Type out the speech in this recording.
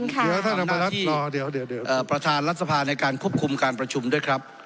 ขอใช้สิทธิภาธิงค่ะเดี๋ยวเอ่อประธานรัฐสภาในการควบคุมการประชุมด้วยครับ